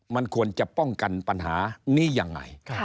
มันควรจะป้องกันปัญหานี้ยังไง